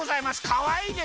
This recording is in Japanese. かわいいでしょ？